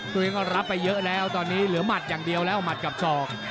ตัวเองก็รับไปเยอะแล้วตอนนี้เหลือหมัดอย่างเดียวแล้วหมัดกับศอก